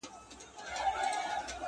ټگان تللي وه د وخته پر آسونو،